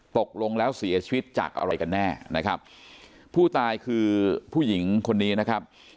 ตกลงแล้วเสียชีวิตจากอะไรกันแน่นะครับผู้ตายคือผู้หญิงคนนี้นะครับ